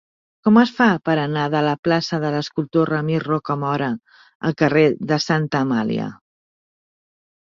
Com es fa per anar de la plaça de l'Escultor Ramir Rocamora al carrer de Santa Amàlia?